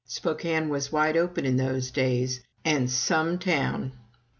(Spokane was wide open in those days, and "some town.")